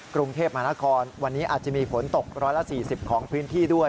กรุงเทพมหานครวันนี้อาจจะมีฝนตก๑๔๐ของพื้นที่ด้วย